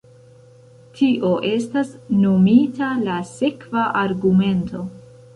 Tio estas nomita la sekva argumento.